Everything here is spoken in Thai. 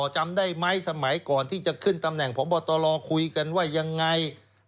จำได้ไหมสมัยก่อนที่จะขึ้นตำแหน่งพบตรคุยกันว่ายังไง